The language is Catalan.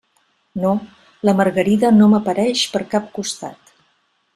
No, la margarida no m'apareix per cap costat.